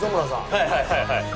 はいはいはいはい。